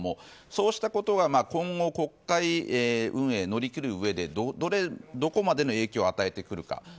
そうしたことが今回国会運営を乗り切るうえでどこまでの影響を与えてくるか。